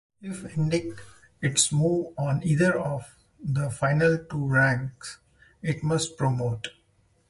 If ending its move on either of the final two ranks it must promote.